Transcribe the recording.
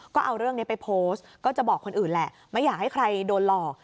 ก็เอาเรื่องนี้ไปโพสต์ก็จะบอกคนอื่นแหละไม่อยากให้ใครโดนหลอก